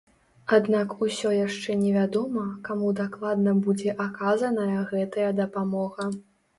Аднак усё яшчэ невядома, каму дакладна будзе аказаная гэтая дапамога.